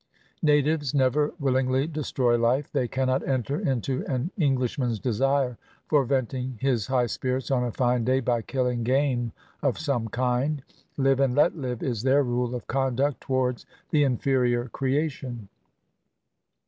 Natives never wilUngly destroy life. They cannot enter into an Eng lishman's desire for venting his high spirits on a fine day by kilUng game of some kind. "Live and let live" is their rule of conduct towards the inferior creation.